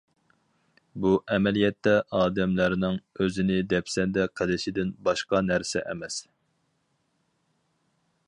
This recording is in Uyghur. بۇ ئەمەلىيەتتە ئادەملەرنىڭ ئۆزىنى دەپسەندە قىلىشىدىن باشقا نەرسە ئەمەس.